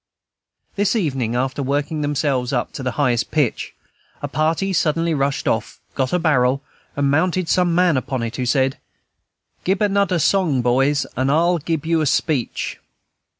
This evening, after working themselves up to the highest pitch, a party suddenly rushed off, got a barrel, and mounted some man upon it, who said, "Gib anoder song, boys, and I'se gib you a speech."